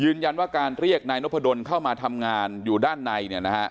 ยืนยันว่าการเรียกนายนพดลเข้ามาทำงานอยู่ด้านใน